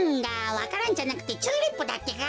わか蘭じゃなくてチューリップだってか。